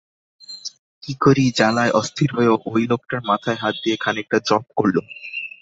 কি করি, জ্বালায় অস্থির হয়েও ঐ লোকটার মাথায় হাত দিয়ে খানিকটা জপ করলুম।